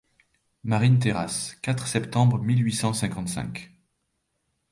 Marine-Terrace, quatre septembre mille huit cent cinquante-cinq.